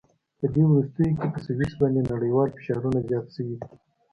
په دې وروستیو کې په سویس باندې نړیوال فشارونه زیات شوي دي.